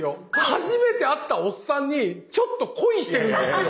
初めて会ったおっさんにちょっと恋してるんですよ。